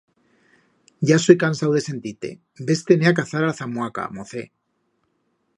Ya soi cansau de sentir-te, ves-te-ne a cazar a zamuaca, mocet!